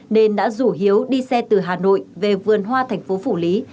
nên đã rủ hiếu đi xe từ hà nội về vườn hoa thành phố phủ lý